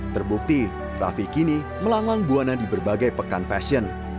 terbukti raffi kini melanglang buana di berbagai pekan fashion